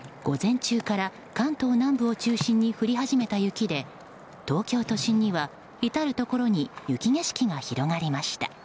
午前中から関東南部を中心に降り始めた雪で、東京都心には至るところに雪景色が広がりました。